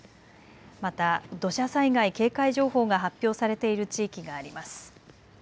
また土砂災害警戒情報が発表されている地域があります。